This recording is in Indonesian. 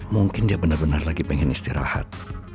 mungkin dia bener bener lagi pengen istirahat